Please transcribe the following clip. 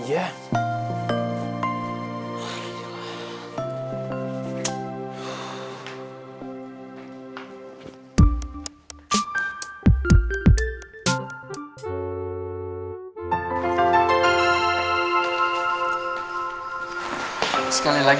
iya makasih mbak